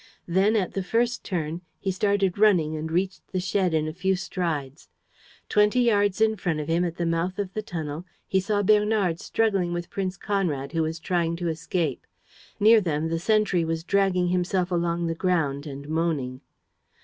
Then, at the first turn, he started running and reached the shed in a few strides. Twenty yards in front of him, at the mouth of the tunnel, he saw Bernard struggling with Prince Conrad, who was trying to escape. Near them, the sentry was dragging himself along the ground and moaning.